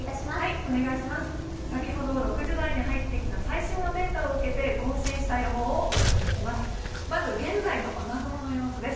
先ほど６時台に入ってきた最新のデータを受けて更新した予報をお届けします。